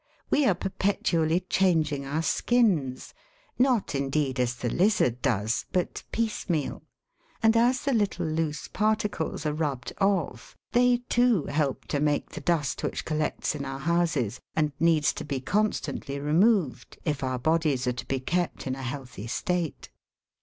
We are perpetually changing our skins, not indeed as the lizard does, but piecemeal ; and, as the little loose particles are rubbed off, they, too, help to make the dust which collects in our houses, and needs to be constantly removed, if our bodies are to be kept in a healthy state.